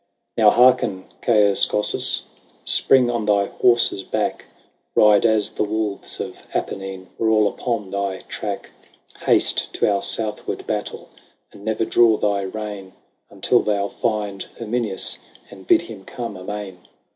XXII. " Now hearken, Caius Cossus : Spring on thy horse's back ; Ride as the wolves of Apennine Were all upon thy track ! Haste to our southward battle ; And never draw thy rein Until thou find Herminius, And bid him come amain."